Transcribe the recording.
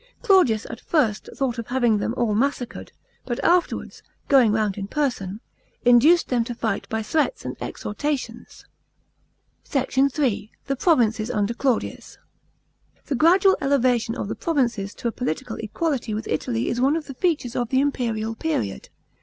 Claudius at first thought of having them all massacred, but after wan Is, going round in person, induced them to fight by threats and exhortations. SECT. III. — THE PROVINCES UNDER CLAUDIUS. § 9. The gradual elevation of the provinces to a poHtical equality with Italy is one of the features of the imperial period.